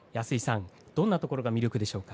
どんなところが魅力でしょうか。